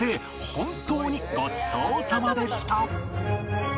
本当にごちそうさまでした！